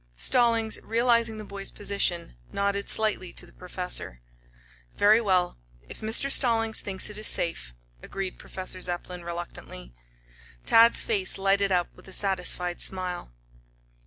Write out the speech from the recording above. Stallings, realizing the boy's position, nodded slightly to the Professor. "Very well, if Mr. Stallings thinks it is safe," agreed Professor Zepplin reluctantly. Tad's face lighted up with a satisfied smile.